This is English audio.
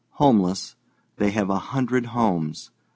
Homeless, they have a hundred homes.